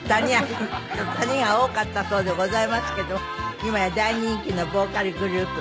谷が多かったそうでございますけども今や大人気のボーカルグループ。